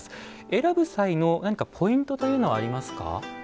選ぶ際のポイントというのはありますか？